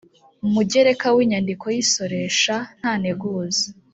mugereka w inyandiko y isoresha nta nteguza